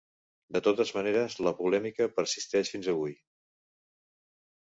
De totes maneres la polèmica persisteix fins avui.